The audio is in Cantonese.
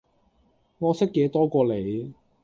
我識野多過你